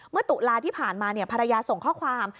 เมื่อตุลาที่ผ่านมาเนี่ยภรรยาส่งข้อความ